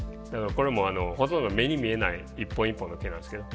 これもほとんど目に見えない一本一本の毛なんですけど。